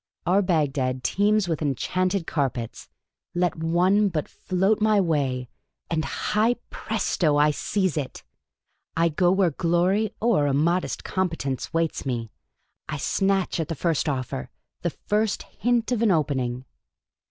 Our Bag dad teems with enchanted carpets. Let one but float my way, and, hi ! presto ! I seize it. I go where glory or a modest competence waits me. I snatch at the first offer, the first hint of an opening."